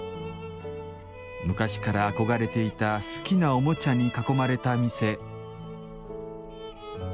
昔からあこがれていた好きなおもちゃに囲まれた店。